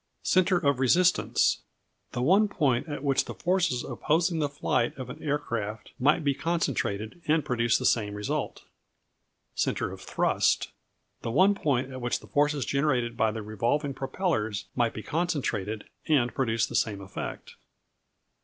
Centre of Resistance The one point at which the forces opposing the flight of an air craft might be concentrated, and produce the same result. Centre of Thrust The one point at which the forces generated by the revolving propellers might be concentrated, and produce the same effect.